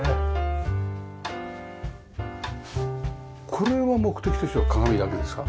これは目的としては鏡だけですか？